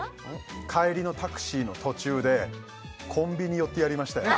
帰りのタクシーの途中でコンビニ寄ってやりましたよ